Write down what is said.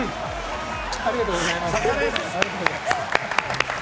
ありがとうございます。